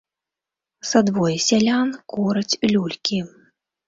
Са двое сялян кураць люлькі.